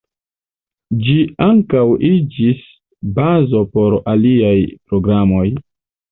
Ĝi ankaŭ iĝis bazo por aliaj programoj.